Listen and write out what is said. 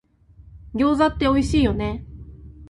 餃子っておいしいよね